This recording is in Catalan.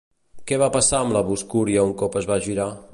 Què va passar amb la boscúria un cop es va girar?